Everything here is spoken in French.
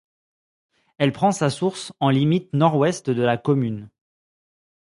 Elle prend sa source en limite nord-ouest de la commune.